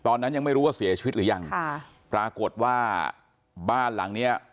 ตอนนั้นยังไม่รู้ว่าเสียชีวิตหรือยังค่ะปรากฏว่าบ้านหลังเนี้ย